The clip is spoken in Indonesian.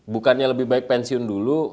bukannya lebih baik pensiun dulu